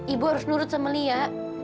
ibu harus nurut sama lia